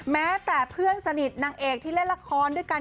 แม้แต่เพื่อนสนิทนางเอกที่เล่นละครด้วยกัน